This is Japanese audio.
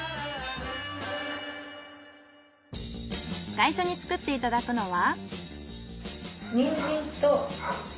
最初に作っていただくのは。